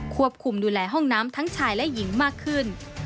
ควบคุมดูแลห้องน้ำทั้งชายและหญิงมากขึ้น